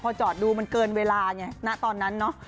พอจอดดูมันเกินเวลาไงณตอนนั้นเนาะ